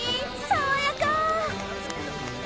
爽やか！